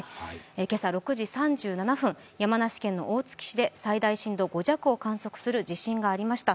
今朝６時３７分、山梨県の大月市で最大震度５弱を観測する地震がありました。